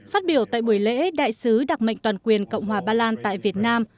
phát biểu tại buổi lễ đại sứ đặc mệnh toàn quyền cộng hòa ba lan tại việt nam